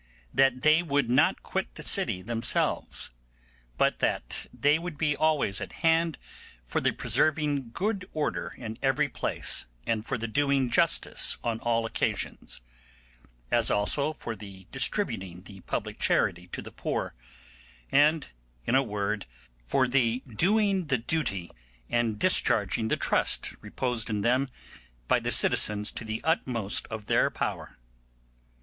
that they would not quit the city themselves, but that they would be always at hand for the preserving good order in every place and for the doing justice on all occasions; as also for the distributing the public charity to the poor; and, in a word, for the doing the duty and discharging the trust reposed in them by the citizens to the utmost of their power.